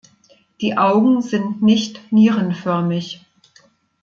Die Augen sind nicht nierenförmig.